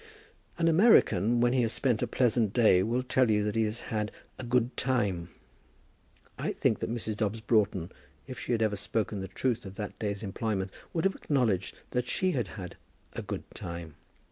An American when he has spent a pleasant day will tell you that he has had "a good time." I think that Mrs. Dobbs Broughton, if she had ever spoken the truth of that day's employment, would have acknowledged that she had had "a good time."